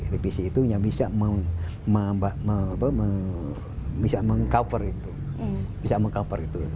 revisi itu yang bisa meng cover itu